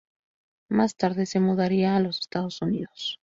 Más tarde se mudaría a los Estados Unidos.